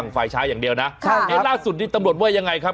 ฟังฝ่ายช้าอย่างเดียวนะค่ะเนี่ยล่าสุดที่ตำรวจเว่ยังไงครับ